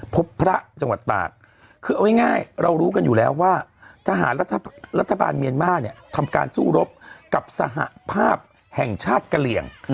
พบพระจังหวัดตากคือเอาง่ายเรารู้กันอยู่แล้วว่าทหารรัฐบาลเมียนมาร์เนี่ยทำการสู้รบกับสหภาพแห่งชาติกะเหลี่ยง